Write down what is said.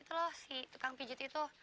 itu loh si tukang pijit itu